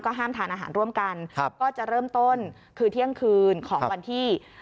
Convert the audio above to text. ห้ามทานอาหารร่วมกันครับก็จะเริ่มต้นคือเที่ยงคืนของวันที่